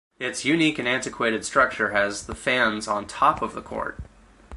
Its unique and antiquated structure has the fans on top of the court.